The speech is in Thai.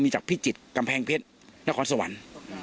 มีจากพิจิตรกำแพงเพชรนครสวรรค์